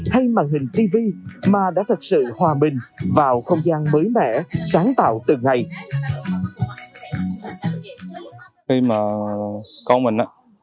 hay màn hình tv mà đã thật sự hòa bình vào không gian mới mẻ sáng tạo từng ngày